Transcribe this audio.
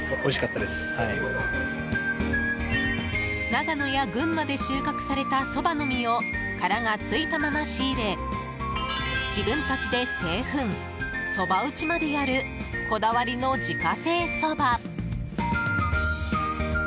長野や群馬で収穫されたそばの実を殻がついたまま仕入れ自分たちで製粉そば打ちまでやるこだわりの自家製そば。